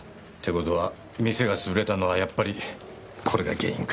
事は店が潰れたのはやっぱりこれが原因か。